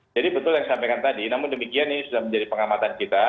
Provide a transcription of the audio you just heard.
jadi betul yang saya sampaikan tadi namun demikian ini sudah menjadi pengamatan kita